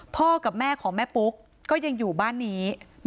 พ่อกับแม่ของแม่ปุ๊กก็ยังอยู่บ้านนี้